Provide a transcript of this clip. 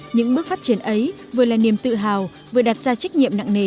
những bước phát triển ấy vừa là niềm tự hào vừa đặt ra trách nhiệm nặng nề